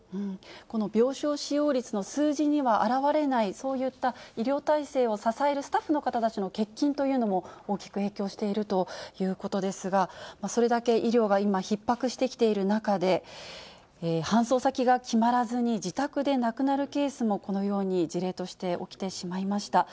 この病床使用率の数字には表れない、そういった医療体制を支えるスタッフの方たちの欠勤というのも大きく影響しているということですが、それだけ医療が今、ひっ迫してきている中で、搬送先が決まらずに、自宅で亡くなるケースもこのように事例として起きてしまいました。